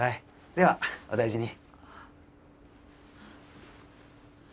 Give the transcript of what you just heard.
ではお大事に。